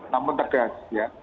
namun tegas ya